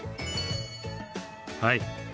はい。